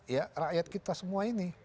ya rakyat kita semua ini